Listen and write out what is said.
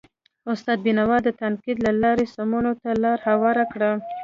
استناد بینوا د تنقید له لارې سمونې ته لار هواره کړه.